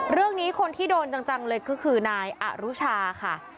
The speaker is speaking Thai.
เรื่องนี้คนที่โดนจังเลยก็คือนายอรุชาค่ะ